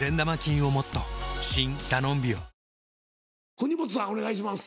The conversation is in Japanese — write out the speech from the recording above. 国本さんお願いします。